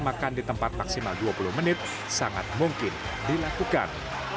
bukan dari persiapan hingga disajikan